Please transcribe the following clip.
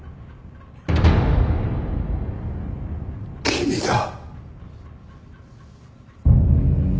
君だ。